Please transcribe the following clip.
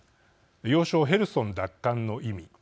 要衝ヘルソン奪還の意味。